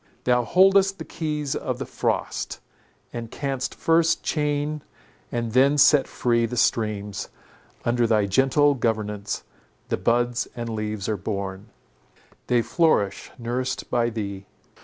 Thou holdest the keys of the frost, and canst first chain and then set free the streams; under thy gentle governance the buds and leaves are born, they flourish nursed by thee.